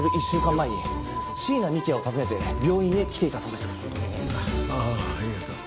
１週間前に椎名幹也を訪ねて病院へ来ていたそうです。